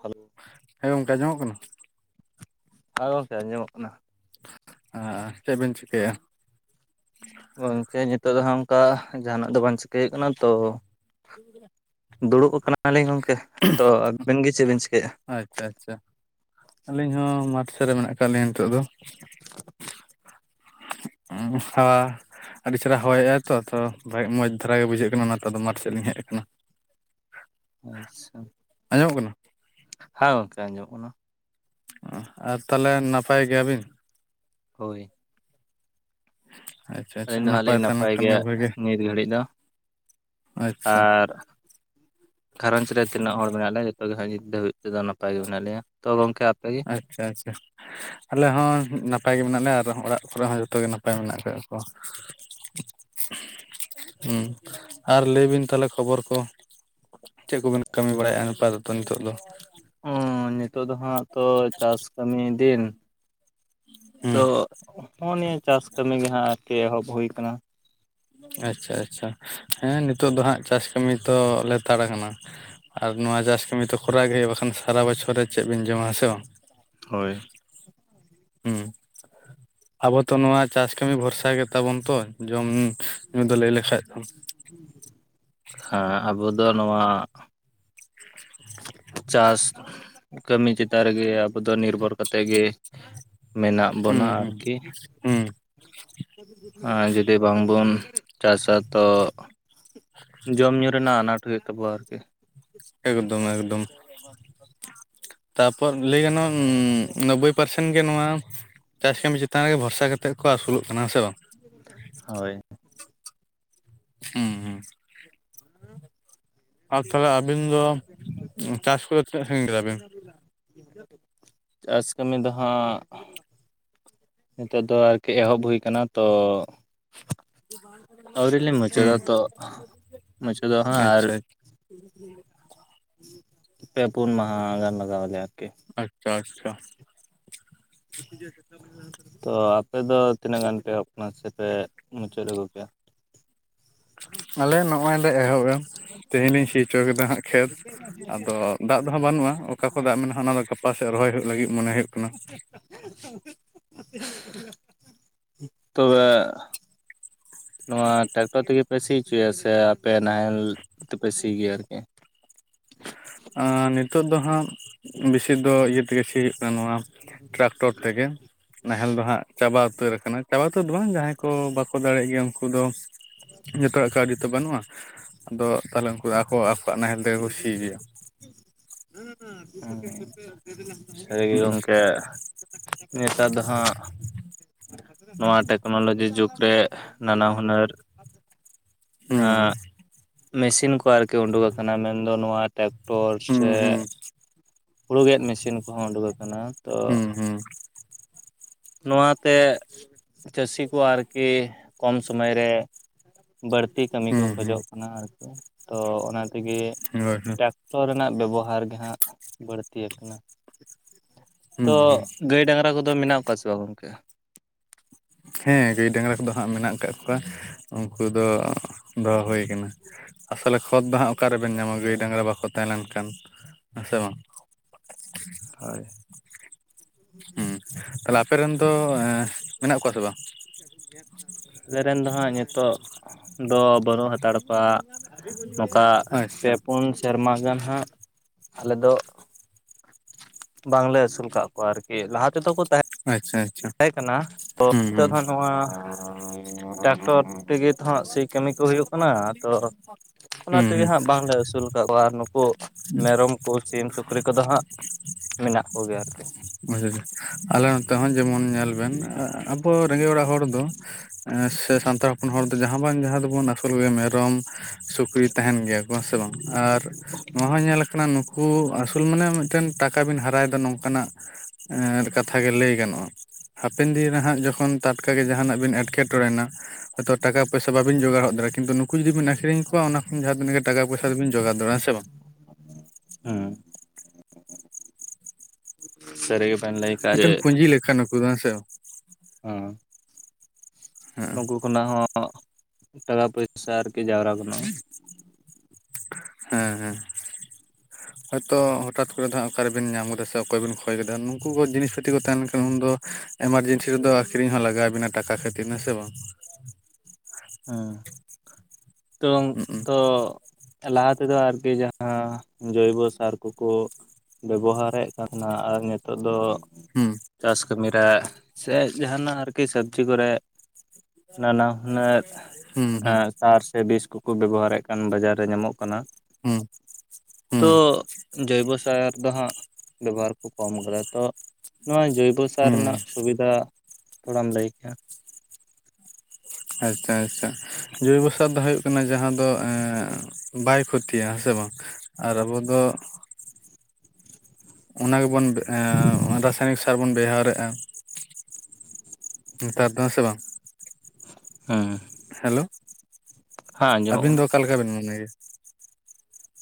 Hello ᱦᱮᱸ ᱜᱚᱝᱠᱮ ᱟᱡᱚᱢᱚᱜ ᱠᱟᱱᱟ᱾ ᱦᱮᱸ ᱜᱚᱝᱠᱮ ᱟᱸᱡᱚᱢᱚᱜ ᱠᱟᱱᱟ᱾ ᱦᱮ ᱪᱮᱫ ᱵᱤᱱ ᱪᱤᱠᱟ. ᱭᱮᱜᱼᱟ? ᱜᱚᱝᱠᱮ ᱱᱤᱛᱚᱜ ᱫᱚ ᱦᱟᱜ ᱚᱱᱠᱟ ᱡᱟᱦᱟᱱᱟᱜ ᱫᱚ ᱵᱟᱝ ᱪᱤᱠᱟᱹᱭ ᱦᱩᱭᱩᱜ ᱠᱟᱱᱟ ᱛᱚ [inaudible] ᱫᱩᱲᱩᱵ ᱠᱟᱱᱟᱞᱤᱧ ᱜᱚᱢᱠᱮ ᱛᱚ ᱟᱵᱤᱱ ᱜᱮ ᱪᱮᱫ ᱵᱤᱱ ᱪᱤᱠᱟᱹᱭᱟ᱾ ᱟᱪᱪᱷᱟ ᱟᱪᱪᱷᱟ ᱟᱹᱞᱤᱧ ᱦᱚᱸ ᱢᱟᱴ ᱥᱮᱫ ᱨᱮ ᱢᱮᱱᱟᱜ ᱟᱠᱟᱫ ᱞᱤᱧᱟ ᱱᱤᱛᱚᱜ ᱫᱚ ᱦᱩ, ᱟᱨ ᱟᱹᱰᱤ ᱪᱮᱨᱦᱨᱟ ᱦᱚᱭ ᱮᱜᱟᱭ ᱛᱚ ᱛᱚ ᱵᱷᱟᱜ ᱢᱚᱡᱽ ᱫᱷᱟᱨᱟ ᱜᱮ ᱵᱩᱡᱷᱟᱹᱜ ᱠᱟᱱᱟ, ᱚᱱᱟᱛᱮ ᱫᱚ ᱢᱟᱴᱷ ᱥᱮᱫ ᱞᱤᱧ ᱦᱮᱡ ᱟᱠᱟᱱᱟ ᱾ [inaudible] ᱟᱪᱪᱷᱟ ᱟᱸᱡᱚᱢᱚᱜ ᱠᱟᱱᱟ ᱾ ᱦᱮᱸ ᱜᱚᱝᱠᱮ ᱟᱸᱡᱚᱢᱚᱜ ᱠᱟᱱᱟ ᱾ ᱟᱨ ᱛᱟᱦᱚᱞᱮ ᱱᱟᱯᱟᱭ ᱜᱮᱭᱟ ᱵᱤᱱ? ᱦᱳᱭ ᱾ ᱟᱪᱷᱟ ᱟᱪᱷᱟ ᱟᱹᱞᱤᱧ ᱫᱚ ᱦᱟᱸᱜ ᱱᱟᱯᱟᱭ ᱞᱤᱧ ᱛᱟᱦᱮ ᱞᱮᱱ ᱠᱷᱟᱱ ᱜᱮᱭᱟ ᱜᱮ ᱵᱷᱟᱹᱜᱮ ᱱᱤᱛ ᱜᱷᱟᱹᱲᱤᱡ ᱫᱚ ᱾ ᱟᱪᱪᱷᱟ ᱟᱨ ᱜᱷᱟᱨᱚᱸᱡᱽ ᱨᱮ ᱛᱤᱱᱟᱹᱜ ᱦᱚᱲ ᱢᱮᱱᱟᱜ ᱞᱮᱭ ᱡᱚᱛᱚᱜᱮ ᱵᱷᱚᱜᱤ ᱱᱤᱛ ᱫᱷᱟᱹᱣᱤᱡ ᱛᱮ ᱱᱟᱯᱟᱭ ᱜᱮ ᱢᱮᱱᱟᱜ ᱞᱮᱭᱟ, ᱛᱚ ᱜᱚᱢᱠᱮ? ᱟᱯᱮᱜᱮ ᱟᱪᱪᱷᱟ ᱟᱪᱪᱷᱟ ᱾ ᱟᱞᱮ ᱦᱚᱸ ᱱᱟᱯᱟᱭ ᱜᱮ ᱢᱮᱱᱟᱜ ᱞᱮᱭ ᱟᱨ ᱚᱲᱟᱜ ᱠᱚᱨᱮ ᱦᱚᱸ ᱡᱚᱛᱚ ᱜᱮ ᱱᱟᱯᱟᱭ ᱢᱮᱱᱟᱜ ᱠᱟᱜ ᱠᱚ ᱾ ᱦᱩᱸ ᱟᱨ ᱞᱟᱹᱭ ᱵᱤᱱ ᱛᱟᱦᱚᱞᱮ ᱠᱷᱚᱵᱚᱨ ᱠᱚ? ᱪᱮᱫ ᱠᱚᱵᱮᱱ ᱠᱟᱹᱢᱤ ᱵᱟᱲᱟ ᱭᱮᱫᱼᱟ, ᱱᱮᱛᱟᱨ ᱫᱚᱛᱚ ᱱᱤᱛᱚᱜ ᱫᱚ ᱚᱸ ᱱᱤᱛᱳ ᱫᱚ ᱦᱟᱜ ᱛᱚ ᱪᱟᱥ ᱠᱟᱹᱢᱤ ᱫᱤᱱ, ᱛᱚ ᱦᱩᱸ ᱼᱼ ᱦᱚᱸ ᱱᱤᱭᱟᱹ ᱪᱟᱥ ᱠᱟᱹᱢᱤ ᱜᱮ ᱦᱟᱸᱜ ᱟᱨᱠᱤ ᱮᱦᱚᱵ ᱦᱩᱭ ᱠᱟᱱᱟ ᱾ ᱟᱪᱪᱷᱟ ᱟᱪᱪᱷᱟ, ᱦᱮᱸ ᱱᱤᱛᱳ ᱫᱚ ᱦᱟᱸᱜ ᱪᱟᱥ ᱠᱟᱹᱢᱤ ᱛᱚ ᱞᱮᱛᱟᱲ ᱟᱠᱟᱱᱟ ᱾ ᱟᱨ ᱱᱚᱣᱟ ᱪᱟᱥ ᱠᱟᱹᱢᱤ ᱛᱚ ᱠᱷᱚᱨᱟ ᱜᱮ ᱦᱩᱭᱩᱜᱼᱟ, ᱵᱟᱠᱷᱟᱱ ᱥᱟᱨᱟ ᱵᱚᱪᱷᱚᱨ ᱨᱮ ᱪᱮᱫ ᱵᱮᱤᱱ ᱡᱚᱢᱟ ᱥᱮ ᱵᱟᱝ ᱾ ᱦᱳᱭ ᱾ ᱦᱩᱸ ᱾ ᱟᱵᱚ ᱛᱚ ᱱᱚᱣᱟ ᱪᱟᱥ ᱠᱟᱹᱢᱤ ᱵᱷᱚᱨᱥᱟ ᱜᱮ ᱛᱟᱵᱚᱱ ᱛᱚ ᱡᱚᱢ ᱧᱩ ᱫᱚ ᱞᱟᱹᱭ ᱞᱮᱠᱷᱟᱡ ᱫᱚ ᱾ ᱦᱮᱸ ᱟᱵᱚ ᱫᱚ ᱱᱚᱣᱟ ᱪᱟᱥ ᱠᱟᱹᱢᱤ ᱪᱮᱛᱟᱱ ᱨᱮᱜᱮ ᱟᱵᱚ ᱫᱚ ᱱᱤᱨᱵᱷᱚᱨ ᱠᱟᱛᱮᱫ ᱜᱮ ᱢᱮᱱᱟᱜ ᱵᱚᱱᱟ ᱟᱨᱠᱤ ᱦᱮᱸ ᱟᱨ ᱡᱩᱫᱤ ᱵᱟᱝᱵᱚᱱ ᱪᱟᱥᱟ ᱛᱚ ᱡᱚᱢ ᱧᱩ ᱨᱮᱱᱟᱜ ᱟᱱᱟᱴ ᱦᱩᱭᱩᱜ ᱛᱟᱵᱚᱣᱟ ᱟᱨᱠᱤ ᱮᱠᱫᱚᱢ ᱮᱠᱫᱚᱢ ᱛᱟᱯᱚᱨ ᱞᱟᱹᱭ ᱜᱟᱱᱚᱜ-ᱟ ᱱᱳᱵᱵᱳᱭ ᱯᱟᱨᱥᱮᱱ ᱜᱮ ᱱᱚᱣᱟ ᱪᱟᱥ ᱠᱟᱹᱢᱤ ᱪᱮᱛᱟᱱ ᱨᱮᱜᱮ ᱵᱷᱚᱨᱥᱟ ᱠᱟᱛᱮᱫ ᱠᱚ ᱟᱹᱥᱩᱞᱚᱜ ᱠᱟᱱᱟ ᱥᱮ ᱵᱟᱝ ᱦᱳᱭ ᱦᱮᱸ ᱦᱮᱸ ᱟᱨ ᱛᱚᱵᱮ ᱟᱹᱵᱤᱱ ᱫᱚ ᱪᱟᱥ ᱠᱚᱫᱚ ᱛᱤᱱᱟᱹᱜ ᱥᱟᱺᱜᱤᱧ ᱠᱮᱫᱟ ᱵᱤᱱ ᱪᱟᱥ ᱠᱟᱹᱢᱤ ᱫᱚ ᱦᱟᱸᱜ ᱱᱤᱛᱳᱜ ᱫᱚ ᱟᱨᱠᱤ ᱮᱦᱚᱵ ᱦᱩᱭ ᱟᱠᱟᱱᱟ ᱛᱚ ᱟᱹᱣᱨᱤ ᱞᱮ ᱢᱩᱪᱟᱹᱫᱟ ᱛᱚ ᱢᱩᱪᱟᱹᱫᱚᱜ ᱦᱩᱸ ᱦᱟᱸᱜ ᱟᱨ ᱟᱪᱪᱷᱟ ᱟᱪᱷᱟ ᱯᱮ ᱯᱩᱱ ᱢᱟᱦᱟ ᱜᱟᱱ ᱞᱟᱜᱟᱣᱟᱞᱮᱭᱟ ᱟᱨᱠᱤ ᱟᱪᱪᱷᱟ ᱟᱪᱪᱷᱟ ᱛᱚ ᱟᱯᱮ ᱫᱚ ᱛᱤᱱᱟᱹᱜ ᱜᱟᱱ ᱯᱮ ᱮᱦᱚᱵ ᱟᱠᱟᱱᱟ [inaudible] ᱥᱮᱯᱮ ᱢᱩᱪᱟᱹᱫ ᱟᱹᱜᱩ ᱠᱮᱜᱼᱟ ᱾ ᱟᱞᱮ ᱱᱚᱜᱼᱚᱭ ᱞᱮ ᱮᱦᱚᱵᱟ ᱛᱮᱦᱤᱧ ᱤᱧ ᱥᱤ ᱦᱚᱪᱚ ᱠᱮᱫᱟ ᱦᱟᱸᱜ ᱠᱷᱮᱛ ᱟᱫᱚ ᱫᱟᱜ ᱫᱚᱦᱚ ᱵᱟᱹᱱᱩᱜᱼᱟ ᱚᱠᱟ ᱠᱚ ᱫᱟᱜ ᱢᱮᱱᱟᱜᱼᱟ ᱚᱱᱟ ᱫᱚ ᱜᱟᱯᱟ ᱥᱮᱫ ᱨᱚᱦᱚᱭ ᱦᱩᱭᱩᱜ ᱞᱟᱹᱜᱤᱫ ᱢᱚᱱᱮ ᱦᱩᱭᱩᱜ ᱠᱟᱱᱟ᱾ ᱛᱚᱵᱮ ᱱᱚᱣᱟ ᱴᱨᱟᱠᱴᱚᱨ ᱛᱮᱜᱮ ᱯᱮ ᱥᱤ ᱦᱚᱪᱚᱭᱟ ᱥᱮ ᱟᱯᱮ ᱱᱟᱦᱮᱞ ᱛᱮᱯᱮ ᱥᱤ ᱜᱮᱭᱟ ᱟᱨᱠᱤ ᱱᱤᱛᱚᱜ ᱫᱚ ᱦᱟᱸᱜ ᱵᱮᱥᱤ ᱫᱚ ᱤᱭᱟᱹ ᱛᱮᱜᱮ ᱥᱤ ᱱᱚᱣᱟ ᱴᱨᱟᱠᱴᱚᱨ ᱛᱮᱜᱮ ᱱᱟᱦᱮᱞ ᱫᱚ ᱦᱟᱸᱜ ᱪᱟᱵᱟ ᱩᱛᱟᱹᱨ ᱟᱠᱟᱱᱟ᱾ ᱪᱟᱵᱟ ᱩᱛᱟᱹᱨ ᱫᱚ ᱵᱟᱝ ᱡᱟᱦᱟᱸᱭ ᱠᱚ ᱵᱟᱠᱚ ᱫᱟᱲᱮᱭᱟᱜ ᱜᱮᱭᱟ ᱩᱱᱠᱩ ᱫᱚ ᱡᱚᱛᱚᱣᱟᱜ ᱠᱟᱹᱣᱰᱤ ᱛᱚ ᱵᱟᱹᱱᱩᱜᱼᱟ ᱟᱫᱚ ᱛᱟᱞᱦᱮ ᱩᱱᱠᱩ ᱫᱚ ᱟᱠᱚ ᱟᱠᱚᱣᱟᱜ ᱱᱟᱦᱮᱞ ᱛᱮᱜᱮ ᱠᱚ ᱥᱤ ᱜᱮᱭᱟ᱾ ᱥᱟᱹᱨᱤ ᱜᱮ ᱦᱩᱸ ᱜᱚᱢᱠᱮ ᱱᱮᱛᱟᱨ ᱫᱚ ᱦᱟᱸᱜ ᱱᱚᱣᱟ ᱴᱮᱠᱱᱳᱞᱚᱡᱤ ᱡᱩᱜᱽ ᱨᱮ ᱱᱟᱱᱟ ᱦᱩᱱᱟᱹᱨ ᱦᱩᱸ ᱢᱮᱥᱤᱱ ᱠᱚ ᱟᱨᱠᱤ ᱩᱰᱩᱠ ᱟᱠᱟᱱᱟ ᱢᱮᱱᱫᱚ ᱱᱚᱣᱟ ᱴᱟ ᱴᱚᱨ ᱥᱮ ᱦᱩᱸ ᱦᱩᱸ ᱦᱩᱲᱩ ᱜᱮᱫ ᱢᱮᱥᱤᱱ ᱠᱚᱦᱚᱸ ᱩᱰᱩᱠ ᱟᱠᱟᱱᱟ ᱛᱚ ᱦᱩᱸ ᱦᱩᱸ ᱱᱚᱣᱟᱛᱮ ᱪᱟᱹᱥᱤ ᱠᱚ ᱟᱨᱠᱤ ᱠᱚᱢ ᱥᱩᱢᱚᱭ ᱨᱮ ᱵᱟᱹᱲᱛᱤ ᱠᱟᱹᱢᱤ ᱠᱚ ᱦᱩᱸ ᱦᱩᱸ ᱠᱷᱚᱡᱚᱜ ᱦᱩᱸ ᱠᱟᱱᱟ ᱟᱨᱠᱤ ᱛᱚ ᱚᱱᱟ ᱛᱮᱜᱮ ᱦᱳᱭ ᱦᱳᱭ ᱴᱚᱨ ᱨᱮᱱᱟᱜ ᱵᱮᱵᱚᱦᱟᱨ ᱜᱮᱦᱟᱸᱜ ᱵᱟᱹᱲᱛᱤᱭᱟ ᱠᱟᱱᱟ ᱾ ᱛᱚ ᱦᱩᱸ ᱜᱟᱹᱭ ᱰᱟᱸᱝᱨᱟ ᱠᱚᱫᱚ ᱢᱮᱱᱟᱜ ᱠᱚᱣᱟ ᱥᱮ ᱵᱟᱝ ᱜᱚᱝᱠᱮ? ᱦᱮᱸ ᱜᱟᱹᱭ ᱰᱟᱸᱝᱨᱟ ᱠᱚᱫᱚ ᱦᱟᱸᱜ ᱢᱮᱱᱟᱜ ᱠᱟᱜ ᱠᱚᱣᱟ ᱩᱱᱠᱩ ᱫᱚ ᱫᱚᱦᱚ ᱦᱩᱭ ᱠᱟᱱᱟ᱾ ᱟᱥᱚᱞᱮ ᱠᱷᱚᱛ ᱫᱚ ᱦᱟᱸᱜ ᱚᱠᱟᱨᱮᱵᱮᱱ ᱧᱟᱢᱟ ᱜᱟᱹᱭ ᱰᱟᱸᱝᱨᱟ ᱵᱟᱠᱚ ᱛᱟᱦᱮᱸ ᱞᱮᱱᱠᱷᱟᱱ ᱦᱮᱸ ᱥᱮ ᱵᱟᱝ? ᱛᱟᱭ, ᱦᱮᱸ ᱛᱟᱦᱞᱮ ᱟᱯᱮᱨᱮᱱ ᱫᱚ ᱢᱮᱱᱟᱜ ᱠᱚᱣᱟ ᱥᱮ ᱵᱟᱝ? ᱟᱞᱮ ᱨᱮᱱ ᱫᱚ ᱦᱟᱸᱜ ᱱᱤᱛᱚᱜ ᱫᱚ ᱵᱟᱹᱱᱩᱜ ᱦᱟᱛᱟᱲ ᱠᱚᱣᱟ ᱱᱚᱝᱠᱟ ᱯᱮ ᱟᱪᱪᱷᱟ ᱯᱩᱱ ᱥᱮᱨᱢᱟ ᱜᱟᱱ ᱦᱟᱸᱜ ᱟᱞᱮ ᱫᱚ, ᱵᱟᱝᱞᱮ ᱟᱹᱥᱩᱞ ᱠᱟᱫ ᱠᱚᱣᱟ ᱟᱨᱠᱤ ᱞᱟᱦᱟ ᱛᱮᱫᱚ ᱠᱚ ᱛᱟᱦᱮᱸ ᱟᱪᱪᱷᱟ ᱟᱪᱷ, ᱛᱟᱦᱮᱸ ᱠᱟᱱᱟ ᱛᱚ ᱱᱤᱛᱚᱜ ᱫᱚ ᱦᱟᱸᱜ ᱱᱚᱣᱟ ᱴᱨᱟᱠᱴᱚᱨ ᱛᱮᱜᱮ ᱦᱟᱸᱜ ᱥᱤ ᱠᱟᱹᱢᱤ ᱠᱚ ᱦᱩᱭᱩᱜ ᱠᱟᱱᱟ ᱛᱚ ᱚᱱᱟ ᱦᱩᱸ ᱛᱮᱜᱮ ᱦᱩᱸ ᱦᱟᱸᱜ ᱵᱟᱝᱞᱮ ᱟᱹᱥᱩᱞ ᱠᱟᱫ ᱠᱚᱣᱟ ᱟᱨ ᱱᱩᱠᱩ ᱢᱮᱨᱚᱢ ᱠᱚ ᱥᱤᱢ ᱥᱩᱠᱨᱤ ᱠᱚᱫᱚ ᱦᱟᱸᱜ ᱢᱮᱱᱟᱜ ᱠᱚᱜᱮᱭᱟ ᱟᱨᱠᱤ᱾ ᱵᱩ [inaudible] ᱟᱞᱮ ᱱᱚᱛᱮ ᱦᱚᱸ ᱡᱮᱢᱚᱱ ᱧᱮᱞ ᱵᱮᱱ ᱟᱵᱚ ᱨᱮᱸᱜᱮᱡ ᱚᱲᱟᱜ ᱦᱚᱲ ᱫᱚ, ᱥᱮ ᱥᱟᱱᱛᱟᱲ ᱦᱚᱯᱚᱱ ᱦᱚᱲ ᱫᱚ ᱡᱟᱦᱟᱸ ᱵᱟᱝ ᱡᱟᱦᱟᱸ ᱫᱚᱵᱚᱱ ᱟᱥᱩᱞ ᱜᱮᱭᱟ ᱢᱮᱨᱚᱢ, ᱥᱩᱠᱨᱤ ᱛᱟᱦᱮᱱ ᱜᱮᱭᱟ ᱠᱚ ᱦᱮᱸ ᱥᱮ ᱵᱟᱝ ᱟᱨ ᱱᱚᱶᱟ ᱦᱚᱸ ᱧᱮᱞᱟ ᱠᱟᱱᱟ ᱱᱩᱠᱩ, ᱟᱥᱩᱞ ᱢᱟᱱᱮ ᱢᱤᱫᱴᱟᱹᱝ ᱴᱟᱠᱟ ᱵᱤᱱ ᱦᱟᱨᱟᱭᱮᱫᱟ ᱱᱚᱝᱠᱟᱱᱟᱜ ᱠᱟᱛᱷᱟ ᱜᱮ ᱞᱟᱹᱭ ᱜᱟᱱᱚᱜᱼᱟ᱾ ᱦᱟᱯᱮᱱ ᱫᱤᱱᱮ ᱨᱮ ᱦᱟᱸᱜ ᱡᱚᱠᱷᱚᱱ ᱴᱟᱴᱠᱟᱜᱮ ᱡᱟᱦᱟᱱᱟᱜ ᱵᱤᱱ ᱮᱴᱠᱮᱴᱚᱬᱮ ᱮᱱᱟ᱾ ᱦᱳᱛᱳ ᱴᱟᱠᱟ ᱯᱚᱭᱥᱟ ᱵᱟᱵᱤᱱ ᱡᱚᱜᱟᱲᱦᱚᱫ ᱫᱟᱲᱮᱭᱟᱜᱼᱟ ᱠᱤᱱᱛᱩ ᱱᱩᱠᱩ ᱡᱩᱫᱤᱵᱤᱱ ᱟᱠᱷᱨᱤᱧ ᱠᱚᱣᱟ ᱚᱱᱟ ᱠᱷᱚᱱ ᱡᱟᱦᱟᱸ ᱛᱤᱱᱟᱹᱜ ᱜᱮ ᱴᱟᱠᱟ ᱯᱚᱭᱥᱟᱵ ᱫᱚᱵᱤᱱ ᱡᱚᱜᱟᱲ ᱫᱟᱲᱮᱭᱟᱜᱼᱟ ᱦᱮᱸ ᱥᱮ ᱵᱟᱝ? ᱦᱩᱸ, ᱥᱟᱹᱨᱤ ᱜᱮᱵᱤᱱ ᱞᱟᱹᱭ ᱠᱟᱜᱟ ᱡᱮ, ᱪᱤ ᱞᱮᱠᱟᱱᱟᱠᱚ, ᱦᱮᱸ ᱥᱮ? ᱚᱸ, ᱦᱮᱸ ᱱᱩᱠᱩ ᱠᱷᱚᱱᱟᱜ ᱦᱚᱸ ᱴᱟᱠᱟ ᱯᱚᱭᱥᱟ ᱟᱨᱠᱤ ᱡᱟᱣᱨᱟ ᱜᱟᱱᱚᱜᱼᱟ᱾ ᱦᱮᱸ, ᱦᱚᱭᱛᱳ ᱦᱚᱴᱟᱛ ᱠᱚᱨᱮ ᱫᱚ ᱚᱠᱟᱨᱮᱵᱤᱱ ᱧᱟᱢ ᱜᱚᱫᱟ ᱥᱮ ᱚᱠᱚᱭ ᱵᱤᱱ ᱠᱷᱚᱭ ᱜᱚᱫᱮᱭᱟ ᱱᱩᱠᱩ ᱠᱚ ᱡᱤᱱᱤᱥ ᱯᱟᱹᱛᱤ ᱠᱚ ᱛᱟᱦᱮᱱ ᱠᱷᱟᱱ ᱩᱱ ᱫᱚ, ᱮᱢᱟᱨᱡᱮᱱᱥᱤ ᱨᱮᱫᱚ ᱟᱠᱷᱨᱤᱧ ᱦᱚᱸ ᱞᱟᱜᱟᱣ ᱟᱵᱤᱱᱟ ᱴᱟᱠᱟ ᱠᱷᱟᱛᱤᱨ ᱦᱮᱸ ᱥᱮ ᱵᱟᱝ? ᱦᱮᱸ ᱛᱚᱝ ᱦᱩᱸ ᱛᱚ, ᱞᱟᱦᱟ ᱛᱮᱫᱚ ᱟᱨᱠᱤ ᱡᱟᱦᱟᱸ ᱡᱳᱭᱵᱚ ᱥᱟᱨ ᱠᱚᱠᱚ, ᱵᱮᱵᱚᱦᱟᱨᱮᱜ ᱠᱟᱱᱟ ᱟᱨ ᱱᱤᱛᱚᱜ ᱫᱚ, ᱦᱩᱸ, ᱪᱟᱥ ᱠᱟᱹᱢᱤᱨᱮ ᱥᱮ ᱡᱟᱦᱟᱱᱟᱜ ᱟᱨᱠᱤ ᱥᱟᱵᱽᱡᱤ ᱠᱚᱨᱮ, ᱱᱟᱱᱟ ᱦᱩᱱᱟᱹᱨ ᱦᱩᱸ ᱦᱩᱸ ᱮᱸ, ᱥᱟᱨ ᱥᱮ ᱵᱤᱥ ᱠᱚᱠᱚ ᱵᱮᱵᱚᱦᱟᱨᱮᱫ ᱠᱟᱱ ᱵᱟᱡᱟᱨ ᱨᱮ ᱧᱟᱢᱚᱜ ᱠᱟᱱᱟ᱾ ᱦᱩᱸ, ᱛᱚ ᱦᱩᱸ ᱡᱳᱚᱭᱵᱚ ᱥᱟᱨ ᱫᱚ ᱦᱟᱸᱜ, ᱵᱮᱵᱚᱦᱟᱨ ᱠᱚ ᱠᱚᱢ ᱠᱟᱫᱟ ᱛᱚ ᱱᱚᱣᱟ, ᱡᱳᱭᱵᱚ ᱥᱟᱨ ᱦᱩᱸ ᱨᱮᱱᱟᱜ ᱥᱩᱵᱤᱫᱷᱟ ᱛᱷᱚᱲᱟᱢ ᱞᱟᱹᱭ ᱠᱮᱭᱟ᱾ ᱟᱪᱪᱷᱟ ᱟᱪᱪᱷᱟ ᱡᱳᱭᱵᱚᱥᱟᱨ ᱫᱚ ᱦᱩᱭᱩᱜ ᱠᱟᱱᱟ ᱡᱟᱦᱟᱸ ᱫᱚ ᱮᱸ, ᱵᱟᱭ ᱠᱷᱚᱛᱤᱭᱟ ᱦᱮᱸ ᱥᱮ ᱵᱟᱝ ᱟᱨ ᱟᱵᱚ ᱫᱚ, ᱚᱱᱟ ᱜᱮᱵᱚᱱ ᱮᱸ ᱨᱟᱥᱟᱭᱱᱤᱠ ᱥᱟᱨ ᱵᱚᱱ ᱵᱮᱣᱦᱟᱨᱮᱜᱼᱟ᱾ ᱱᱮᱛᱟᱨ ᱫᱚ ᱦᱮᱸ ᱥᱮ ᱵᱟᱝ? ᱦᱩᱸ, ᱦᱮᱞᱳ, ᱟᱸᱡᱚᱢᱚᱜ ᱟᱹᱵᱤᱱ ᱫᱚ ᱠᱟᱱᱟ ᱚᱠᱟᱞᱮᱠᱟᱵᱤᱱ ᱢᱚᱱᱮ ᱭᱮᱫᱟ?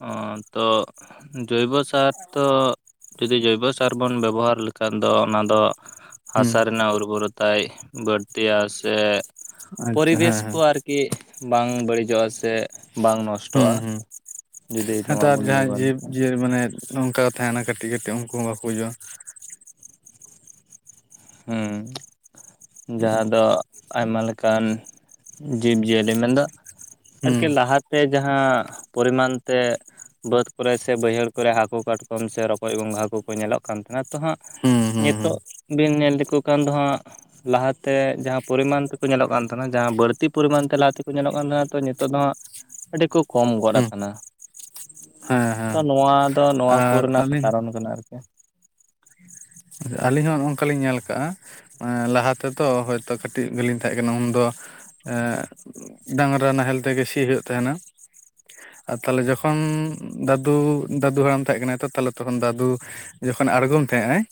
ᱚ, ᱛᱚ ᱡᱳᱭᱵᱚ ᱥᱟᱨ ᱛᱚ, ᱡᱩᱫᱤ ᱡᱳᱭᱵᱚ ᱥᱟᱨ ᱵᱚᱱ ᱵᱮᱵᱚᱦᱟᱨ ᱞᱮᱠᱷᱟᱱ ᱫᱚ ᱚᱱᱟ ᱫᱚ ᱦᱩᱸ ᱦᱟᱥᱟ ᱨᱮᱱᱟᱜ ᱩᱨᱵᱚᱨᱚᱛᱟᱭ ᱵᱟᱹᱲᱛᱤᱭᱟ ᱥᱮ, ᱟᱪᱪᱷᱟ ᱯᱚᱨᱤᱵᱮᱥ ᱦᱮᱸ ᱠᱚ ᱦᱮᱸ ᱟᱨ ᱠᱤ ᱵᱟᱝ ᱵᱟᱹᱲᱤᱡᱚᱜᱼᱟ ᱥᱮ ᱵᱟᱝ ᱱᱚᱥ ᱦᱩᱸ ᱦᱩᱸ᱾ ᱦᱮᱸᱛᱚ ᱟᱨ ᱵᱚᱱ ᱡᱟᱦᱟᱸᱭ ᱵᱮᱵᱚᱦᱟᱨ ᱞᱮᱠᱷᱟᱱ ᱡᱤᱵᱽᱼᱡᱤᱭᱟᱹᱞᱤ ᱢᱟᱱᱮ ᱱᱚᱝᱠᱟ ᱠᱚ ᱛᱟᱦᱮᱸᱱᱟ ᱠᱟᱹᱴᱤᱡ ᱠᱟᱹᱴᱤᱡ ᱩᱱᱠᱩ ᱦᱚᱸ ᱵᱟᱠᱚ ᱜᱩᱡᱩᱜᱼᱟ᱾ ᱦᱩᱸ᱾ ᱦᱩᱸ ᱡᱟᱦᱟᱸ ᱫᱚ ᱟᱭᱢᱟ ᱞᱮᱠᱟᱱ ᱡᱤᱵᱽ ᱡᱤᱭᱟᱹᱞᱤ ᱢᱮᱱᱫᱚ ᱦᱩᱸ ᱟᱨᱠᱤ ᱞᱟᱦᱟ ᱛᱮ ᱡᱟᱦᱟᱸ ᱯᱚᱨᱤᱢᱟᱱ ᱛᱮ ᱵᱟᱹᱫᱽ ᱠᱚᱨᱮ ᱥᱮ ᱵᱟᱹᱭᱦᱟᱹᱲ ᱠᱚᱨᱮ ᱦᱟᱹᱠᱩ ᱠᱟᱴᱠᱚᱢ ᱥᱮ ᱨᱚᱠᱚᱡᱽ ᱜᱚᱸᱜᱷᱟ ᱠᱚᱠᱚ ᱧᱮᱞᱚᱜ ᱠᱟᱱ ᱛᱟᱦᱮᱸᱱᱟ ᱛᱚ ᱦᱟᱸᱜ ᱦᱩᱸ ᱦᱩᱸ ᱧᱮᱛᱳᱜ ᱵᱤᱱ ᱧᱮᱞ ᱞᱮᱠᱚ ᱠᱷᱟᱱ ᱫᱚ ᱦᱟᱸᱜ ᱞᱟᱦᱟᱛᱮ ᱡᱟᱦᱟᱸ ᱯᱚᱨᱤᱢᱟᱱ ᱛᱮᱠᱚ ᱧᱮᱞᱚᱜ ᱠᱟᱱ ᱛᱟᱦᱮᱸᱱᱟ ᱡᱟᱦᱟᱸ ᱵᱟᱹᱲᱛᱤ ᱯᱚᱨᱤᱢᱟᱱ ᱛᱮ ᱞᱟᱦᱟ ᱛᱮᱠᱚ ᱧᱮᱞᱚᱜ ᱠᱟᱱ ᱛᱟᱦᱮᱱᱟ ᱛᱚ ᱧᱮᱛᱳᱜ ᱫᱚ ᱦᱟᱸᱜ ᱟᱹᱰᱤ ᱠᱚ ᱠᱚᱢ ᱜᱚᱫ ᱦᱩᱸ ᱟᱠᱟᱱᱟ, ᱦᱮᱸ ᱛᱚ ᱦᱮᱸ ᱱᱚᱣᱟ ᱫᱚ ᱱᱚᱣᱟ ᱠᱚ ᱟᱨ ᱨᱮᱱᱟᱜ ᱟᱹᱞᱤᱧ ᱠᱟᱨᱚᱱ ᱠᱟᱱᱟ ᱟᱨ ᱟᱹᱞᱤᱧ ᱦᱚᱸ ᱱᱚᱜᱼᱚ ᱱᱚᱝᱠᱟ ᱞᱤᱧ ᱧᱮᱞ ᱠᱟᱜᱼᱟ ᱞᱟᱦᱟ ᱛᱮ ᱛᱚ ᱦᱚᱭᱛᱳ ᱠᱟᱹᱴᱤᱡ ᱜᱮᱞᱤᱧ ᱛᱟᱦᱮᱸᱜ ᱠᱟᱱᱟ ᱩᱱᱫᱚ ᱮᱸ ᱰᱟᱝᱨᱟ ᱱᱟᱦᱮᱞ ᱛᱮᱜᱮ ᱥᱤ ᱦᱩᱭᱩᱜ ᱛᱟᱦᱮᱸᱱᱟ᱾ ᱟᱨ ᱛᱟᱦᱞᱮ ᱡᱚᱠᱷᱚᱱ ᱫᱟᱫᱩ ᱫᱟᱫᱩ ᱦᱟᱲᱟᱢ ᱛᱟᱦᱮᱸᱜ ᱠᱟᱱᱟᱭ ᱛᱚ ᱛᱟᱦᱞᱮ ᱛᱚᱠᱷᱚᱱ ᱫᱟᱫᱩ ᱡᱚᱠᱷᱚᱱ ᱟᱬᱜᱚᱢ ᱛᱟᱦᱮᱸᱜᱟᱭ,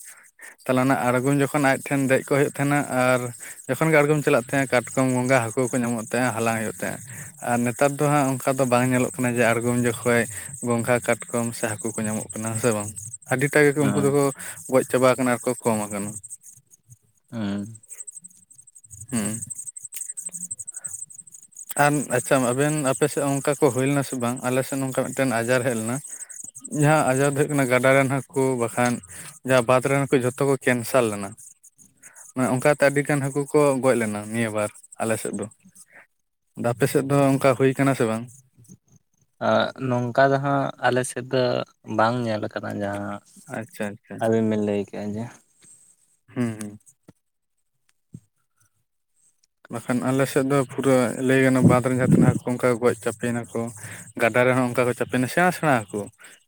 ᱛᱟᱦᱞᱮ ᱚᱱᱟ ᱟᱬᱜᱚᱢ ᱡᱚᱠᱷᱚᱱ ᱟᱡ ᱴᱷᱮᱱ ᱫᱮᱡ ᱠᱚᱜ ᱦᱩᱭᱩᱜ ᱛᱟᱦᱮᱸᱱᱟ ᱟᱨ ᱡᱚᱠᱷᱚᱱ ᱜᱮ ᱟᱬᱜᱚᱢ ᱪᱟᱞᱟᱜ ᱛᱟᱦᱮᱸ ᱠᱟᱴᱠᱚᱢ, ᱜᱚᱸᱜᱷᱟ, ᱦᱟᱹᱠᱩ ᱠᱚ ᱧᱟᱢᱚᱜ ᱛᱟᱦᱮᱸᱜ-ᱟ ᱦᱟᱞᱟᱝ ᱦᱩᱭᱩᱜ ᱛᱟᱦᱮᱸᱜ-ᱟ᱾ ᱟᱨ ᱱᱮᱛᱟᱨ ᱫᱚ ᱦᱟᱸᱜ ᱚᱱᱠᱟ ᱫᱚ ᱵᱟᱝ ᱧᱮᱞᱚᱜ ᱠᱟᱱᱟ ᱡᱮ ᱟᱲᱜᱚᱢ ᱡᱚᱠᱷᱚᱡ ᱜᱚᱸᱜᱷᱟ ᱠᱟᱴᱠᱚᱢ ᱥᱮ ᱦᱟᱹᱠᱩ ᱠᱚ ᱧᱟᱢᱚᱜ ᱠᱟᱱᱟ ᱦᱮᱸ ᱥᱮ ᱵᱟᱝ? ᱟᱹᱰᱤᱴᱟᱜ ᱜᱮ ᱩᱱᱠᱩ ᱦᱩᱸ ᱫᱚᱠᱚ ᱜᱚᱡ ᱪᱟᱵᱟ ᱟᱠᱟᱱᱟ ᱟᱨ ᱠᱚ ᱠᱚᱢ ᱟᱠᱟᱱᱟ᱾ ᱦᱮᱸ᱾ ᱦᱩᱸ᱾ ᱟᱨ ᱟᱪᱪᱷᱟ ᱟᱵᱮᱱ ᱟᱯᱮ ᱥᱮᱫ ᱚᱱᱠᱟ ᱠᱚ ᱦᱩᱭ ᱞᱮᱱᱟ ᱥᱮ ᱵᱟᱝ, ᱟᱞᱮ ᱥᱮᱫ ᱱᱚᱝᱠᱟ ᱢᱤᱫᱴᱮᱱ ᱟᱡᱟᱨ ᱦᱮᱡ ᱞᱮᱱᱟ ᱡᱟᱦᱟᱸ ᱟᱡᱟᱨ ᱫᱚ ᱦᱩᱭᱩᱜ ᱠᱟᱱᱟ ᱜᱟᱰᱟ ᱨᱮᱱ ᱦᱟᱹᱠᱩ ᱵᱟᱠᱷᱟᱱ ᱡᱟᱦᱟᱸ ᱵᱟᱸᱫᱽ ᱨᱮᱱ ᱦᱟᱹᱠᱩ ᱡᱷᱚᱛᱚ ᱠᱚ ᱠᱮᱱᱥᱟᱨ ᱞᱮᱱᱟ, ᱢᱟᱱᱮ ᱚᱱᱠᱟ ᱠᱟᱛᱮ ᱟᱹᱰᱤ ᱜᱟᱱ ᱦᱟᱹᱠᱩ ᱠᱚ ᱜᱚᱡ ᱞᱮᱱᱟ ᱱᱤᱭᱟᱹ ᱵᱟᱨ ᱟᱞᱮ ᱥᱮᱫ ᱫᱚ, ᱟᱫᱚ ᱟᱯᱮ ᱥᱮᱫ ᱫᱚ ᱚᱱᱠᱟ ᱦᱩᱭ ᱟᱠᱟᱱᱟ ᱥᱮ ᱵᱟᱝ? ᱮᱸ ᱱᱚᱝᱠᱟ ᱫᱚ ᱦᱟᱸᱜ ᱟᱞᱮ ᱥᱮᱫ ᱫᱚ ᱵᱟᱝ ᱧᱮᱞ ᱟᱠᱟᱱᱟ ᱡᱟᱦᱟᱸ ᱟᱪᱪᱷᱟ ᱟᱪᱪᱷᱟ, ᱟᱵᱤᱱ ᱵᱤᱱ ᱞᱟᱹᱭ ᱠᱮᱜᱼᱟ ᱡᱮ ᱦᱩᱸ ᱦᱩᱸ᱾ ᱵᱟᱠᱷᱟᱱ ᱟᱞᱮ ᱥᱮᱫ ᱫᱚ ᱯᱩᱨᱟᱹ ᱞᱟᱹᱭ ᱜᱟᱱᱚᱜ-ᱥ ᱵᱟᱸᱫᱽ ᱨᱮᱱ ᱡᱟᱦᱟᱸ ᱛᱱᱟᱹᱜ ᱦᱟᱹᱠᱩ ᱚᱱᱠᱟ ᱠᱚ ᱜᱚᱡ ᱪᱟᱯᱮᱱᱟᱠᱚ ᱜᱟᱰᱟ ᱨᱮᱦᱚᱸ ᱚᱱᱠᱟ ᱠᱚ ᱪᱟᱯᱮᱱᱟ ᱥᱮᱬᱟ ᱥᱮᱬᱟ ᱦᱟᱹᱠᱩ᱾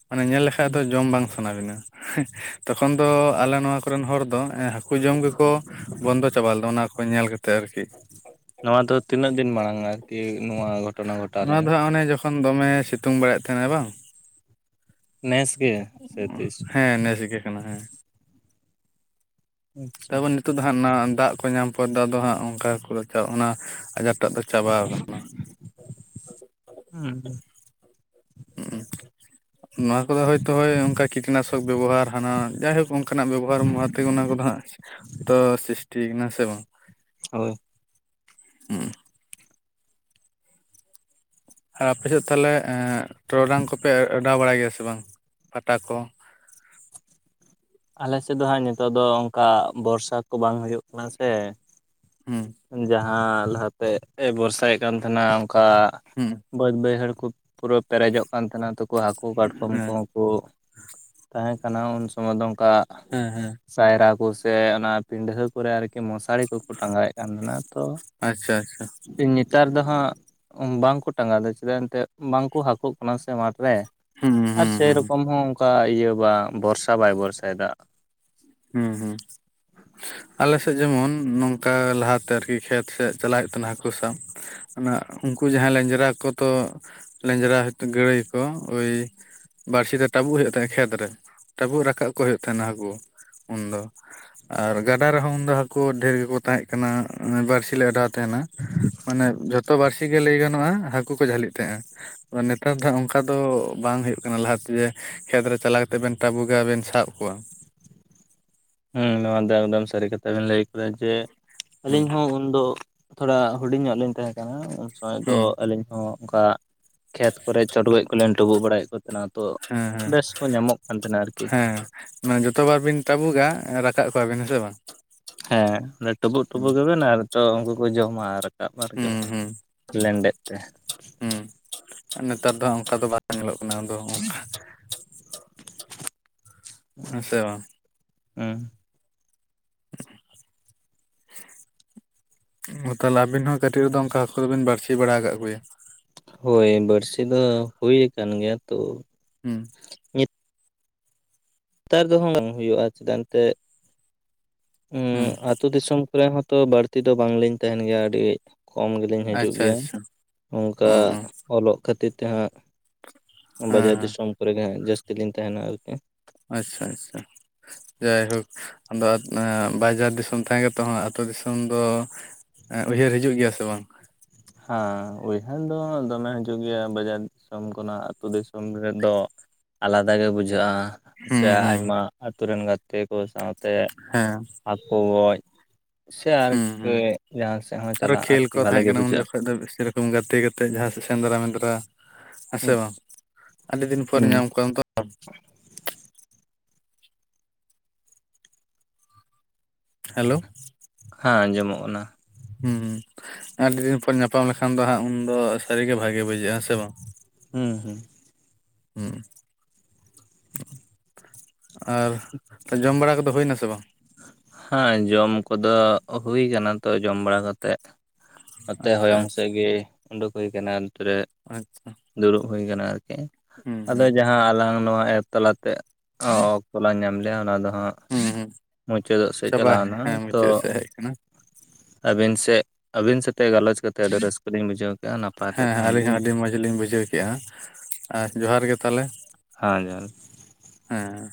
ᱢᱟᱱᱮ ᱧᱮᱞ ᱞᱮᱠᱷᱟᱡ ᱫᱚ ᱡᱚᱢ ᱵᱟᱝ ᱥᱟᱱᱟ ᱵᱤᱱᱟ, ᱛᱚᱠᱷᱚᱱ ᱫᱚ ᱟᱞᱮ ᱱᱚᱣᱟ ᱠᱚᱨᱮᱱ ᱦᱚᱲ ᱫᱚ, ᱮᱸ ᱦᱟ ᱠᱩ ᱡᱚᱢ ᱜᱮᱠᱚ ᱵᱚᱱᱫᱚ ᱪᱟᱵᱟ ᱞᱮᱫᱟ ᱚᱱᱟ ᱠᱚ ᱧᱮᱞ ᱠᱟᱛᱮᱫ ᱟᱨᱠᱤ᱾ ᱱᱚᱣᱟ ᱫᱚ ᱛᱤᱱᱟᱹᱜ ᱫᱤᱱ ᱢᱟᱲᱟᱝ ᱟᱨᱠᱤ ᱱᱚᱣᱟ ᱜᱷᱚᱴᱚᱱᱟ ᱜᱷᱚᱴᱟᱣ ᱚᱱᱟ ᱞᱮᱱᱟ? ᱫᱚ ᱦᱟᱸᱜ ᱚᱱᱮ ᱡᱚᱠᱷᱚᱱ ᱫᱚᱢᱮ ᱥᱤᱛᱩᱝ ᱵᱟᱲᱟᱭᱮᱫ ᱛᱟᱦᱮᱱᱟᱭ ᱵᱟᱝ᱾ ᱱᱮᱥ ᱜᱮ? ᱥᱮ ᱛᱤᱥ ᱦᱮᱸ ᱱᱮᱥ ᱜᱮ ᱠᱟᱱᱟ ᱦᱮᱸ᱾ ᱟᱪᱪᱷᱟ ᱛᱟᱯᱚᱨ ᱱᱤᱛᱳᱜ ᱫᱚ ᱦᱟᱸᱜ ᱱᱟ ᱫᱟᱜ ᱠᱚ ᱧᱟᱢ ᱯᱚᱨ ᱫᱚ ᱟᱫᱚ ᱦᱟᱸᱜ ᱚᱱᱠᱟ ᱚᱱᱟ ᱟᱡᱟᱨ ᱴᱟᱜ ᱫᱚ ᱪᱟᱵᱟᱣ ᱠᱟᱱᱟ᱾ ᱚ ᱚ᱾ ᱦᱩᱸ᱾ ᱱᱚᱣᱟ ᱠᱚᱫᱚ ᱦᱳᱭᱛᱚ ᱦᱳᱭ ᱚᱱᱠᱟ ᱠᱤᱴᱱᱟᱥᱚᱠ ᱵᱮᱵᱚᱦᱟᱨ ᱦᱟᱱᱟ ᱡᱟᱭᱦᱳᱠ ᱚᱱᱠᱟᱱᱟᱜ ᱵᱮᱵᱚᱦᱟᱨ ᱢᱟ ᱛᱮᱜᱮ ᱚᱱᱟ ᱠᱚᱫᱚ ᱦᱟᱸᱜ ᱛᱚ ᱥᱨᱤᱥᱴᱤ ᱠᱟᱱᱟ, ᱦᱮᱸ ᱥᱮ ᱵᱟᱝ? ᱦᱳᱭ᱾ ᱦᱩᱸ᱾ ᱟᱨ ᱟᱯᱮ ᱥᱮᱫ ᱛᱟᱦᱞᱮ ᱮᱸ ᱴᱚᱨᱚᱰᱟᱝ ᱠᱚᱯᱮ ᱚᱰᱟᱣ ᱵᱟᱲᱟᱭ ᱜᱮᱭᱟ ᱥᱮ ᱵᱟᱝ ᱯᱟᱴᱟ ᱠᱚ? ᱟᱞᱮ ᱥᱮᱫ ᱫᱚ ᱦᱟᱸᱜ ᱱᱤᱛᱚᱜ ᱫᱚ ᱚᱱᱠᱟ ᱵᱚᱨᱥᱟ ᱠᱚ ᱵᱟᱝ ᱦᱩᱭᱩᱜ ᱠᱟᱱᱟ ᱥᱮ, ᱦᱩᱸ᱾ ᱡᱟᱦᱟᱸ ᱞᱟᱦᱟᱛᱮ ᱮ ᱵᱚᱨᱥᱟᱭᱮᱫ ᱠᱟᱱ ᱛᱟᱦᱮᱱᱟ ᱚᱱᱠᱟ ᱦᱩᱸ ᱵᱟᱹᱫᱽ ᱵᱟᱹᱭᱦᱟᱹᱲ ᱠᱚ ᱯᱩᱨᱟᱹ ᱯᱮᱨᱮᱡᱚᱜ ᱠᱟᱱ ᱛᱟᱦᱮᱱᱟ ᱛᱚ ᱠᱚ ᱦᱟᱹᱠᱩ ᱠᱟᱴᱠᱚᱢ ᱦᱮᱸ ᱠᱚᱦᱚᱸ ᱠᱚ ᱛᱟᱦᱮᱸ ᱠᱟᱱᱟ ᱩᱱ ᱥᱚᱢᱚᱭ ᱫᱚ ᱚᱱᱠᱟ ᱦᱮᱸ ᱦᱮᱸ᱾ ᱥᱟᱭᱨᱟ ᱠᱚ ᱥᱮ ᱚᱱᱟ ᱯᱤᱸᱰᱷᱟᱹ ᱠᱚᱨᱮ ᱟᱨᱠᱤ ᱢᱚᱥᱟᱨᱤ ᱠᱚᱠᱚ ᱴᱟᱸᱜᱟᱣᱮᱫ ᱠᱟᱱ ᱛᱟᱦᱮᱱᱟ᱾ ᱛᱚ ᱟᱪᱪᱷᱟ ᱟᱪᱪᱷᱟ᱾ ᱱᱮᱛᱟᱨ ᱫᱚ ᱦᱟᱸᱜ ᱵᱟᱝᱠᱚ ᱴᱟᱸᱜᱟᱣᱮᱫᱟ ᱪᱮᱫᱟᱜ ᱮᱱᱛᱜ ᱵᱟᱝᱠᱚ ᱦᱟᱹᱠᱩᱜ ᱠᱟᱱᱟ ᱥᱮ ᱢᱟᱴ ᱨᱮ᱾ ᱦᱩᱸ ᱟᱨ ᱦᱩᱸ ᱥᱮᱭ ᱦᱩᱸ ᱨᱚᱠᱚᱢ ᱦᱚᱸ ᱚᱱᱠᱟ ᱤᱭᱟᱹ ᱵᱟ ᱵᱚᱨᱥᱟ ᱵᱟᱭ ᱵᱚᱨᱥᱟᱭᱮᱫᱟ᱾ ᱦᱩᱸ ᱦᱩᱸ᱾ ᱟᱞᱮ ᱥᱮᱫ ᱡᱮᱢᱚᱱ ᱱᱚᱝᱠᱟ ᱞᱟᱦᱟᱛᱮ ᱟᱨᱠᱤ ᱠᱷᱮᱛ ᱥᱮᱫ ᱪᱟᱞᱟᱜ ᱦᱩᱭᱩᱜ ᱛᱟᱦᱮᱱᱟ ᱦᱟᱹᱠᱩ ᱥᱟᱵ᱾ ᱚᱱᱟ ᱩᱱᱠᱩ ᱡᱟᱦᱟᱸᱭ ᱞᱮᱸᱡᱨᱟ ᱠᱚᱛᱚ ᱞᱮᱸᱡᱨᱟ ᱦᱟᱛ ᱜᱟᱹᱲᱟᱹᱭ ᱠᱚ ᱳᱭ ᱵᱟᱹᱲᱥᱤ ᱛᱮ ᱴᱟᱵᱩᱜ ᱦᱩᱭᱩᱜ ᱛᱟᱦᱮᱸ ᱠᱷᱮᱛ ᱨᱮ ᱴᱟᱵᱩᱜ ᱨᱟᱠᱟᱵ ᱠᱚ ᱦᱩᱭᱩᱜ ᱛᱟᱦᱮᱸᱱᱟ ᱦᱟᱹᱠᱩ᱾ ᱩᱱᱫᱚ, ᱟᱨ ᱜᱟᱰᱟ ᱨᱮᱦᱚᱸ ᱩᱱᱫᱚ ᱦᱟᱹᱠᱩ ᱰᱷᱮᱨ ᱜᱮᱠᱚ ᱛᱟᱦᱮᱸᱜ ᱠᱟᱱᱟ ᱮᱸ ᱵᱟᱹᱲᱥᱤ ᱞᱮ ᱟᱰᱟ ᱛᱟᱦᱮᱸᱱᱟ, ᱢᱟᱱᱮ ᱡᱷᱚᱛᱚ ᱵᱟᱹᱲᱥᱤ ᱜᱮ ᱞᱟᱹᱭ ᱜᱟᱱᱚᱜᱼᱟ ᱦᱟᱹᱠᱩ ᱠᱚ ᱡᱷᱟᱹᱞᱤᱜ ᱛᱟᱦᱮᱸᱜ-ᱟ᱾ ᱵᱟᱠᱷᱟᱱ ᱱᱮᱛᱟᱨ ᱫᱚ ᱚᱱᱠᱟ ᱫᱚ ᱵᱟᱝ ᱦᱩᱭᱩᱜ ᱠᱟᱱᱟ ᱞᱟᱦᱟ ᱛᱮ ᱡᱮ ᱠᱷᱮᱛ ᱨᱮ ᱪᱟᱞᱟᱣ ᱠᱟᱛᱮᱫ ᱵᱮᱱ ᱴᱟᱵᱩᱜᱟ ᱟᱨ ᱵᱮᱱ ᱥᱟᱵ ᱠᱚᱣᱟ᱾ ᱦᱮᱸ ᱱᱚᱣᱟ ᱫᱚ ᱮᱠᱫᱚᱢ ᱥᱟᱹᱨᱤ ᱠᱟᱛᱷᱟ ᱵᱮᱱ ᱞᱟᱹᱭ ᱠᱟᱫᱟ ᱡᱮ, ᱦᱩᱸ ᱟᱹᱞᱤᱧ ᱦᱚᱸ ᱩᱱᱫᱚ ᱛᱷᱚᱲᱟ ᱦᱩᱰᱤᱧ ᱧᱚᱜ ᱞᱤᱧ ᱛᱟᱦᱮᱸ ᱠᱟᱱᱟ ᱩᱱ ᱥᱚᱢᱚᱭ ᱫᱚ ᱦᱩᱸ ᱟᱹᱞᱤᱧ ᱦᱚᱸ ᱚᱱᱠᱟ ᱠᱷᱮᱛ ᱠᱚᱨᱮ ᱪᱚᱰᱜᱚᱡ ᱠᱚᱞᱤᱧ ᱴᱟᱵᱩᱜ ᱵᱟᱲᱟᱭᱮᱫ ᱠᱚ ᱛᱟᱦᱮᱱᱟ ᱛᱚ ᱦᱮᱸ ᱦᱮᱸ ᱵᱮᱥ ᱠᱚ ᱧᱟᱢᱚᱜ ᱠᱟᱱ ᱛᱟᱦᱮᱱᱟ ᱟᱨᱠᱤ᱾ ᱦᱮᱸ ᱢᱟᱱᱮ ᱡᱚᱛᱚ ᱵᱟᱨ ᱵᱤᱱ ᱴᱟᱵᱩᱜᱟ, ᱮᱸ ᱨᱟᱠᱟᱵ ᱠᱚᱣᱟᱵᱤᱱ ᱦᱮᱸ ᱥᱮ ᱵᱟᱝ? ᱦᱮᱸ ᱟᱫᱚ ᱴᱩᱵᱩᱜ ᱦᱩᱸ ᱴᱩᱵᱩᱜᱟ ᱵᱮᱱ ᱟᱨ ᱛᱚ ᱩᱱᱠᱩ ᱠᱚ ᱡᱚᱢᱟ ᱟᱨ [unintelligible] ᱟᱨᱠᱤ ᱦᱩᱸ ᱦᱩᱸ ᱞᱮᱸᱰᱮᱫ ᱛᱮ᱾ ᱦᱩᱸ, ᱟᱨ ᱱᱮᱛᱟᱨ ᱫᱚ ᱦᱟᱸᱜ ᱚᱱᱠᱟ ᱫᱚ ᱵᱟᱝ ᱧᱮᱞᱚᱜ ᱠᱟᱱᱟ ᱟᱫᱚ ᱚᱱᱠᱟ᱾ ᱦᱮ ᱥᱮ ᱵᱟᱝ? ᱦᱩᱸ [inaudible] ᱚ ᱛᱟᱦᱞᱮ ᱟᱵᱤᱱ ᱦᱚ ᱠᱟᱹᱴᱤᱡ ᱨᱮᱫᱚ ᱚᱱᱠᱟ ᱦᱟᱹᱠᱩ ᱫᱚᱵᱤᱱ ᱵᱟᱹᱲᱥᱤ ᱵᱟᱲᱟ ᱠᱟᱜ ᱠᱚᱜᱮᱭ-ᱟ? ᱦᱳᱭ ᱵᱟᱹᱲᱥᱤ ᱫᱚ ᱦᱩᱭ ᱟᱠᱟᱱ ᱜᱮᱭᱟ ᱛᱚ ᱦᱩᱸ᱾ ᱛᱟᱨ ᱫᱚ [inaudible] ᱦᱩᱭᱩᱜᱼᱟ ᱪᱮᱫᱟᱜ ᱱᱚᱛᱮ ᱩᱸ ᱦᱩᱸ ᱟᱛ ᱛᱩ ᱫᱤᱥᱚᱢ ᱠᱚᱨᱮ ᱦᱚᱸᱛᱚ ᱵᱟᱹᱲᱛᱤ ᱫᱚ ᱵᱟᱝ ᱞᱤᱧ ᱛᱟᱦᱮᱱ ᱜᱮᱭᱟ ᱟᱹᱰᱤ ᱠᱚᱢ ᱜᱮᱞᱤᱧ ᱦᱤᱡᱩᱜ ᱟᱪᱪᱷᱟ ᱜᱮᱭᱟ, ᱟᱪᱪᱷᱟ ᱚ ᱚᱝᱠᱟ ᱚ ᱦᱮᱸ ᱚᱞᱚᱜ ᱠᱷᱟᱹᱛᱤᱨ ᱛᱮ ᱦᱟᱸᱜ ᱵᱟᱡᱟᱨ ᱦᱮᱸ ᱫᱤᱥᱚᱢ ᱠᱚᱨᱮ ᱜᱮ ᱦᱟᱸᱜ ᱡᱟᱹᱥᱛᱤ ᱞᱤᱧ ᱛᱟᱦᱮᱱᱟ ᱟᱨᱠᱤ᱾ ᱟᱪᱪᱷᱟ ᱟᱪᱪᱷᱟ᱾ ᱡᱟᱭ ᱦᱳᱠ ᱟᱫᱚ ᱮᱸ ᱵᱟᱡᱟᱨ ᱫᱤᱥᱚᱢ ᱛᱟᱦᱮ ᱠᱟᱛᱮᱫ ᱦᱚᱸ ᱟᱹᱛᱳ ᱫᱤᱥᱚᱢ ᱫᱚ ᱮᱸ ᱩᱭᱦᱟᱹᱨ ᱦᱤᱡᱩᱜ ᱜᱮᱭᱟ ᱥᱮ ᱵᱟᱝ? ᱦᱮᱸ ᱩᱭᱦᱟᱹᱨ ᱫᱚ ᱫᱚᱢᱮ ᱦᱤᱡᱩᱜ ᱜᱮᱭᱟ ᱵᱟᱡᱟᱨ ᱫᱤᱥᱚᱢ ᱠᱷᱚᱱᱟᱜ ᱟᱹᱛᱩ ᱫᱤᱥᱚᱢ ᱨᱮᱫᱚ, ᱟᱞᱟᱫᱟ ᱜᱮ ᱵᱩᱡᱷᱟᱹᱜᱼᱟ ᱥᱮ ᱦᱩᱸ ᱦᱩᱸ ᱟᱭᱢᱟ ᱟᱹᱛᱩ ᱨᱮᱱ ᱜᱟᱛᱮ ᱠᱚ ᱥᱟᱶᱟᱛᱮ ᱦᱮᱸ ᱦᱟᱹᱠᱩ ᱜᱚᱡ ᱥᱮ ᱦᱩᱸ ᱟᱨᱠᱤ ᱦᱩᱸ ᱡᱟᱦᱟᱸ ᱥᱮᱫ ᱦᱚ ᱪᱟᱞᱟᱜ ᱟᱨᱠᱤ ᱵᱷᱟᱞᱮ ᱜᱮ ᱵᱩᱡᱷᱟᱹᱜᱼᱟ᱾ ᱛᱳᱜ ᱫᱚ ᱥᱮ ᱨᱚᱠᱚᱢ ᱜᱟᱛᱮ ᱠᱟᱛᱮᱫ ᱡᱟᱦᱟᱸ ᱥᱮᱫ ᱥᱮᱸᱫᱽᱨᱟ ᱢᱮᱸᱫᱽᱨᱟ, ᱦᱮ ᱥᱮ ᱦᱩᱸ ᱵᱟᱝ? ᱟᱹᱰᱤ ᱫᱤᱱ ᱯᱚᱨᱮ ᱧᱟᱢ ᱠᱚᱣᱟ ᱛᱚ᱾ [inaudible] ᱦᱮᱞᱳ᱾ ᱦᱮᱸ ᱟᱸᱡᱚᱢᱚᱜ ᱠᱟᱱᱟ᱾ ᱦᱩᱸ ᱟᱹᱰᱤ ᱫᱤᱱ ᱯᱚᱨᱮ ᱧᱟᱯᱟᱢ ᱞᱮᱠᱷᱟᱱ ᱫᱚ ᱦᱟᱸᱜ ᱩᱱᱫᱚ ᱥᱟᱹᱨᱤ ᱜᱮ ᱵᱷᱟᱜᱮ ᱵᱩᱡᱷᱟᱹᱜᱼᱟ, ᱦᱮ-ᱥᱮ ᱵᱟᱝ? ᱦᱩᱸ ᱦᱩᱸ᱾ ᱦᱩᱸ ᱦᱩᱸ᱾ ᱟᱨ ᱛᱚ ᱡᱚᱢ ᱵᱟᱲᱟ ᱠᱚᱫᱚ ᱦᱩᱭᱱᱟ ᱥᱮ ᱵᱟᱝ? ᱦᱟᱸ ᱡᱚᱢ ᱠᱚᱫᱚ ᱦᱩᱭ ᱠᱟᱱᱟ ᱛᱚ ᱡᱚᱢ ᱵᱟᱲᱟ ᱠᱟᱛᱮᱫ ᱱᱚᱛᱮ ᱟᱪᱪᱷᱟ ᱦᱚᱭᱚᱝ ᱟᱪᱪᱷᱟ ᱥᱮᱫ ᱜᱮ ᱩᱰᱩᱠ ᱦᱩᱭ ᱠᱟᱱᱟ ᱱᱚᱛᱮ ᱨᱮ ᱟᱪᱪᱷᱟ᱾ ᱫᱩᱲᱩᱵ ᱦᱩᱭ ᱟᱠᱟᱱᱟ ᱟᱨᱠᱤ, ᱦᱩᱸ ᱟᱫᱚ ᱦᱩᱸ ᱡᱟ ᱦᱟ ᱟᱞᱟᱝ ᱱᱚᱣᱟ ᱮᱯ ᱛᱟᱞᱟ ᱛᱮ ᱚᱠᱛᱚ ᱞᱟᱝ ᱧᱟᱢ ᱞᱮᱜ-ᱟ ᱚᱱᱟ ᱫᱚ ᱦᱟᱸᱜ ᱦᱩᱸ ᱦᱩᱸ ᱢᱩᱪᱟᱹᱫᱚᱜ ᱥᱮᱫ ᱪᱟᱞᱟᱣᱱᱟ ᱛᱚ ᱪᱮᱫ ᱠᱟᱱᱟ? ᱟᱹᱵᱤᱱ ᱥᱮᱫ ᱟᱹᱵᱤᱱ ᱥᱟᱛᱮ ᱜᱟᱞᱚᱪ ᱠᱟᱛᱮ ᱟᱹᱰᱤ ᱨᱟᱹᱥᱠᱟᱹ ᱞᱤᱧ ᱵᱩᱡᱷᱟᱹᱣ ᱠᱮᱜᱼᱟ ᱱᱟᱯᱟᱭ ᱛᱮ ᱦᱮᱸ ᱦᱮᱸ ᱛᱟᱦᱮᱱ ᱟᱹᱞᱤᱧ ᱦᱚ ᱵᱤᱱ ᱟᱹᱰᱤ ᱢᱚᱸᱡᱽ ᱞᱤᱧ ᱵᱩᱡᱷᱟᱹᱣ ᱠᱮᱜᱼᱟ, ᱟᱨ ᱡᱚᱸᱦᱟᱨ ᱜᱮ ᱛᱟᱦᱚᱞᱮ᱾ ᱦᱳᱭ ᱡᱚᱦᱟᱸᱨ᱾ ᱦᱮᱸ᱾